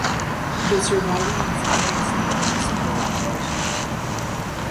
The surviving example is not in as built condition.